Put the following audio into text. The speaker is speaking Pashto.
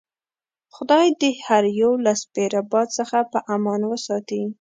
خدای دې هر یو له سپیره باد څخه په امان وساتي.